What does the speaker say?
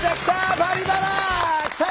「バリバラ」！来たよ！